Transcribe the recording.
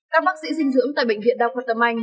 các bác sĩ dinh dưỡng tại bệnh viện đào quân tâm anh